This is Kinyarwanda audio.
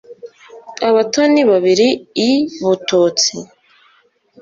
abatoni babiri i bututsi